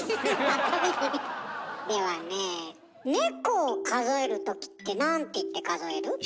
ではねえネコを数える時って何って言って数える？